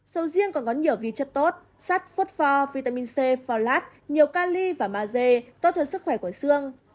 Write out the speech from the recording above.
sầu riêng còn có nhiều vị chất tốt sắt phốt pho vitamin c folate nhiều kali và maze tốt cho sức khỏe của xương